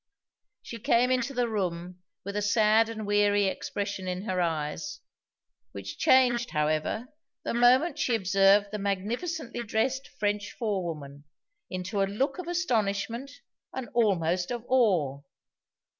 She came into the room with a sad and weary expression in her eyes, which changed, however, the moment she observed the magnificently dressed French forewoman, into a look of astonishment, and almost of awe.